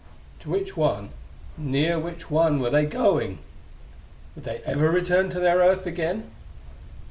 To which one near which one were they going? Would they ever return to their Earth again?